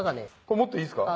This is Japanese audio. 持っていいですか？